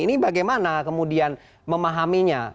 ini bagaimana kemudian memahaminya